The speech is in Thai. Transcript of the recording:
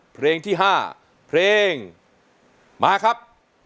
เพลงที่๕เพลงมาครับ